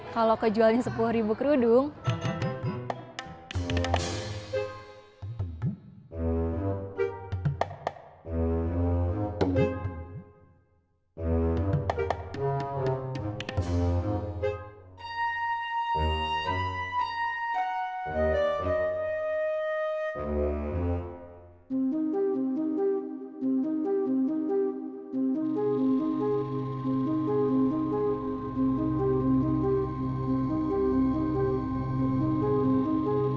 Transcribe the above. kalau kejualan sepuluh ribu kerudung itu berapa